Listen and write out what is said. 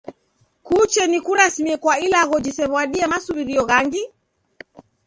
Kuche nikurasimie kwa ilagho jisew'adie masuw'irio ghangi?